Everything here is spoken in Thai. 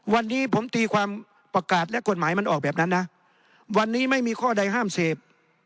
วันนี้ผมตีความประกาศและกฎหมายมันออกแบบนั้นนะวันนี้ไม่มีข้อใดห้ามเสพ